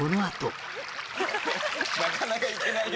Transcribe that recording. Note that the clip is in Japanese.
なかなかいけないよ。